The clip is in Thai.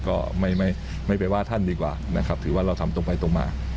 ก็ไม่ไปว่าท่านดีกว่านะครับถือว่าเราทำตรงไปตรงมา